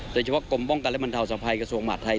เฉพาะกรมป้องกันและบรรเทาสภัยกระทรวงมหาดไทย